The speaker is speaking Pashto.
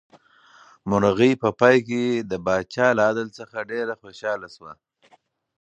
مرغۍ په پای کې د پاچا له عدل څخه ډېره خوشحاله شوه.